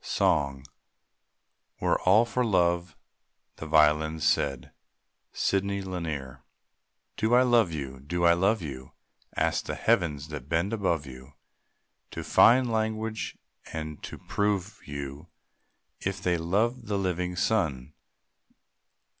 SONG. "We 're all for love," the violins said. SIDNEY LANIER. Do I love you? Do I love you? Ask the heavens that bend above you To find language and to prove you If they love the living sun.